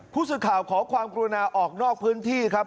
ผู้สื่อข่าวขอความกรุณาออกนอกพื้นที่ครับ